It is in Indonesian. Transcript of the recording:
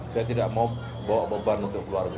saya tidak mau bawa beban untuk keluarga